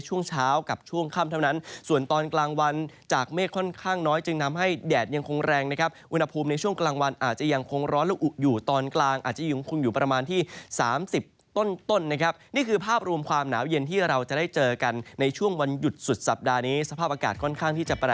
ช่วงเช้ากับช่วงค่ำเท่านั้นส่วนตอนกลางวันจากเมฆค่อนข้างน้อยจึงทำให้แดดยังคงแรงนะครับอุณหภูมิในช่วงกลางวันอาจจะยังคงร้อนและอุอยู่ตอนกลางอาจจะยังคงอยู่ประมาณที่๓๐ต้นนะครับนี่คือภาพรวมความหนาวเย็นที่เราจะได้เจอกันในช่วงวันหยุดสุดสัปดาห์นี้สภาพอากาศค่อนข้างที่จะประ